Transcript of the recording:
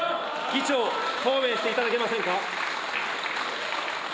議長、答弁していただけませんか。